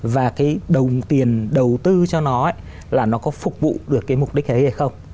và cái đồng tiền đầu tư cho nó là nó có phục vụ được cái mục đích ấy hay không